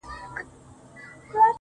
شراب لس خُمه راکړه، غم په سېلاب راکه.